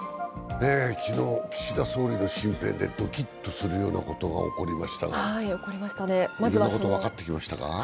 昨日、岸田総理の身辺でドキッとするようなことが起こりましたがいろいろと分かってきましたか？